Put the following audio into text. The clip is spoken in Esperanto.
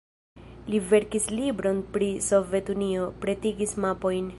Li verkis libron pri Sovetunio, pretigis mapojn.